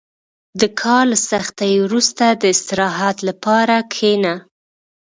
• د کار له سختۍ وروسته، د استراحت لپاره کښېنه.